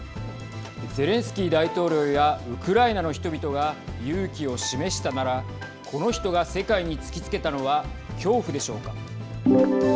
ゼレンスキー大統領やウクライナの人々が勇気を示したならこの人が世界に突きつけたのは恐怖でしょうか。